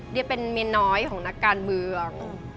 เดียเป็นเมียน้อยของนักการเมือง